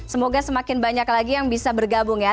semoga semakin banyak lagi yang bisa bergabung ya